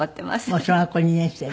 もう小学校２年生で。